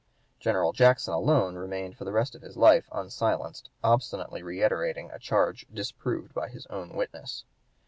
General Jackson alone remained for the rest of his life unsilenced, obstinately reiterating a charge disproved by his own witnesses.